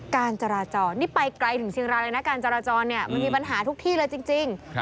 การจราจรนี่ไปไกลถึงเชียงรายเลยนะการจราจรเนี่ยมันมีปัญหาทุกที่เลยจริง